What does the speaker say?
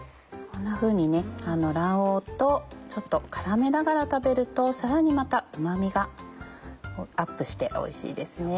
こんなふうに卵黄とちょっと絡めながら食べるとさらにまたうま味がアップしておいしいですね。